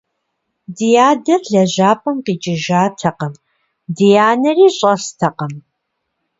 Ди адэр лэжьапӀэм къикӀыжатэкъым, ди анэри щӀэстэкъым.